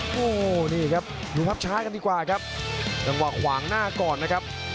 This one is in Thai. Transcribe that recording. โอ้โหนี่ครับดูภาพช้ากันดีกว่าครับจังหวะขวางหน้าก่อนนะครับ